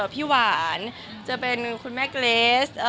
พี่หวานจะเป็นคุณแม่เกรส